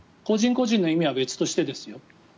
個人個人の意味は別としてですよ。